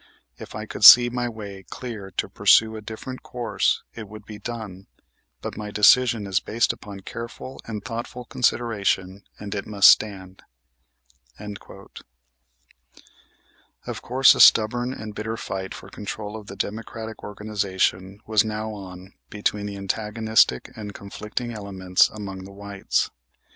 If I could see my way clear to pursue a different course it would be done; but my decision is based upon careful and thoughtful consideration and it must stand." Of course a stubborn and bitter fight for control of the Democratic organization was now on between the antagonistic and conflicting elements among the whites.